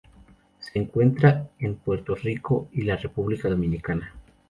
Se encuentra en Puerto Rico y la República Dominicana.